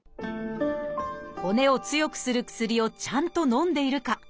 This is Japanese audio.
「骨を強くする薬をちゃんとのんでいるか」